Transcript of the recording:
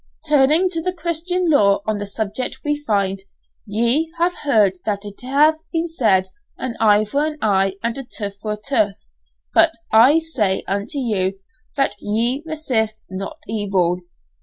Turning to the Christian law on the subject we find, "Ye have heard that it hath been said an eye for an eye, and a tooth for a tooth, but I say unto you that ye resist not evil."